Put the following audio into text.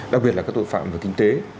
đặc biệt là các tội phạm về kinh tế